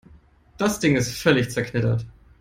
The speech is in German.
Das Ding ist völlig zerknittert.